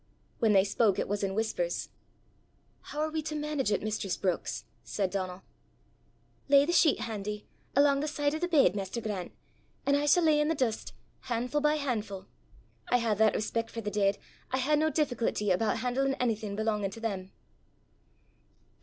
When they spoke, it was in whispers. "How are we to manage it, mistress Brookes?" said Donal. "Lay the sheet handy, alang the side o' the bed, maister Grant, an' I s' lay in the dist, han'fu' by han'fu'. I hae that respec' for the deid, I hae no difficlety aboot han'lin' onything belongin' to them."